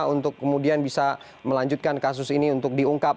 untuk kemudian bisa melanjutkan kasus ini untuk diungkap